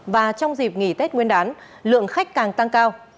và trong dịp nghỉ tết nguyên đán lượng khách càng tăng cao